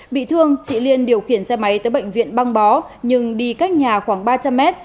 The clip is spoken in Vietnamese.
bị thương chị liên điều khiển xe máy tới bệnh viện băng bó nhưng đi cách nhà khoảng ba trăm linh mét